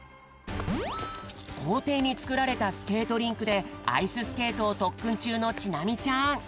こうていにつくられたスケートリンクでアイススケートをとっくんちゅうのちなみちゃん。